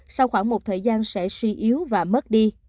sau khoảng một thời gian sẽ suy yếu và mất đi